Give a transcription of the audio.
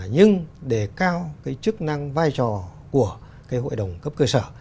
nhưng để cao cái chức năng vai trò của cái hội đồng cấp cơ sở